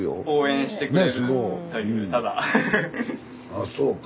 ああそうか。